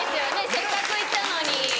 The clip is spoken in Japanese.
せっかく行ったのに。